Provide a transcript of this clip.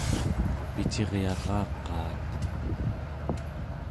piciryaraqaat